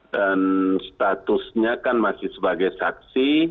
dan statusnya kan masih sebagai saksi